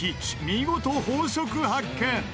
見事法則発見！